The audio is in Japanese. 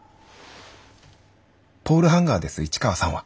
ポールハンガーです市川さんは。